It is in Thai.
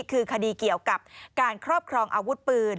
คือคดีเกี่ยวกับการครอบครองอาวุธปืน